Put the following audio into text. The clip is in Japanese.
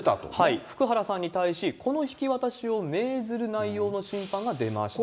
福原さんに対し、この引き渡しを命ずる内容の審判が出ましたと。